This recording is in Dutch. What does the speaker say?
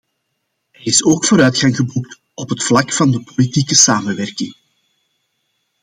Er is ook vooruitgang geboekt op het vlak van de politiële samenwerking.